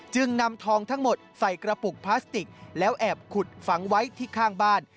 จึงนำทองทั้งหมดใส่กระปุกพลาสติกแล้วแอบขุดฝังไว้ที่ข้างบ้าน